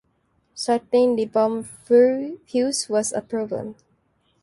Setting the bomb fuse was a problem.